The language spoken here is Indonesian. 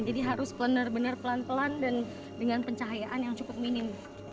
jadi harus benar benar pelan pelan dan dengan pencahayaan yang cukup minim